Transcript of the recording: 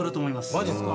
マジっすか。